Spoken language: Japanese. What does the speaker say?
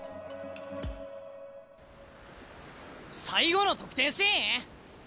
最後の得点シーン？